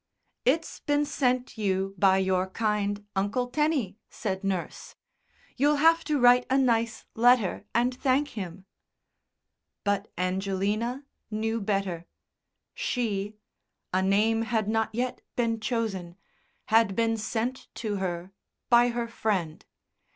"It's been sent you by your kind Uncle Teny," said nurse. "You'll have to write a nice letter and thank him." But Angelina knew better. She a name had not yet been chosen had been sent to her by her friend....